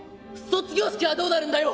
卒業式はどうなるんだよ。